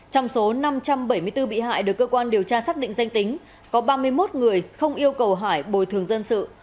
trong số năm trăm bảy mươi bốn bị hại được cơ quan điều tra xác định danh tính có ba mươi một người không yêu cầu hải bồi thường dân sự